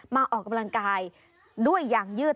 ออกกำลังกายด้วยยางยืด